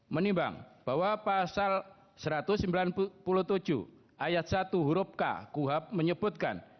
menimbang bahwa pasal satu ratus sembilan puluh tujuh ayat satu huruf k kuhab menyebutkan